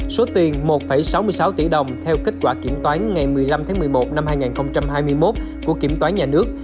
số tiền một sáu mươi sáu tỷ đồng theo kết quả kiểm toán ngày một mươi năm tháng một mươi một năm hai nghìn hai mươi một của kiểm toán nhà nước